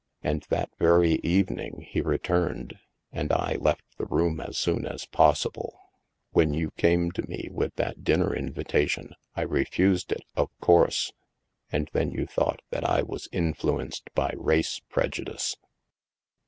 And that very evening he re turned, and I left the room as soon as possible. When you came to me with that dinner invitation, I refused it, of course. And then you thought that I was influenced by race prejudice.''